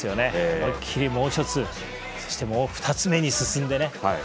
思い切りもう１つそしてもう２つ目に進んでね。